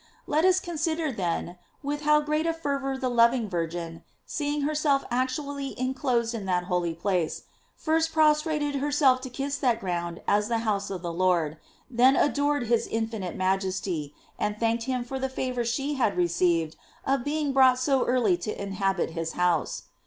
Let us consider, then, with how great a fervor the lov ing Virgin, seeing herself actually inclosed in that holy place, first prostrated herself to kiss that ground as the house of the Lord, then ador ed his infinite majesty, and thanked him for the favor she had received of being brought so early to inhabit his house.